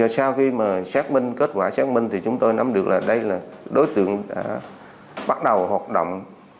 sau khi kết quả xác minh chúng tôi nắm được đây là đối tượng đã bắt đầu hoạt động